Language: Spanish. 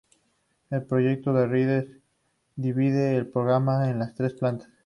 El proyecto de Ribes divide el programa en las tres plantas.